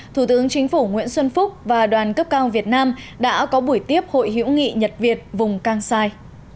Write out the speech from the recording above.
thủ tướng chính phủ nguyễn xuân phúc và đoàn cấp cao việt nam đã có buổi tiếp hội hiểu nghị nhật việt vùng cang sai